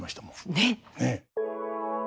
ねえ。